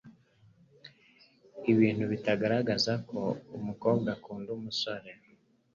ibintu bitagaragaza ko umukobwa akunda umusore.